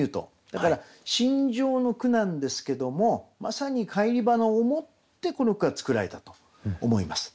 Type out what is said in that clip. だから心情の句なんですけどもまさに返り花を思ってこの句は作られたと思います。